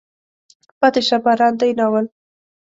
پاتې شه باران دی. ناول